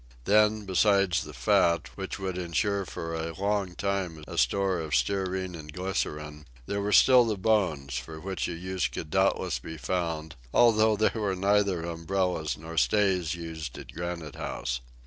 Then, besides the fat, which would insure for a long time a store of stearine and glycerine, there were still the bones, for which a use could doubtless be found, although there were neither umbrellas nor stays used at Granite House.